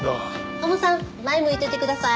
カモさん前向いててください。